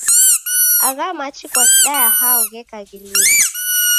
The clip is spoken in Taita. Agha machi kwaghidaya hao gheka ghilue?